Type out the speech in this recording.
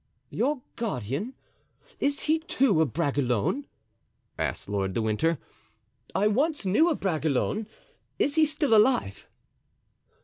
"Your guardian! is he, too, a Bragelonne?" asked Lord de Winter. "I once knew a Bragelonne—is he still alive?"